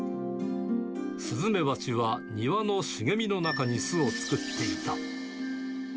スズメバチは庭の茂みの中に巣を作っていた。